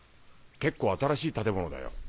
結構新しい建物だよ。